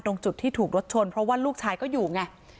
ตรงจุดที่ถูกรถชนเพราะว่าลูกชายก็อยู่ไง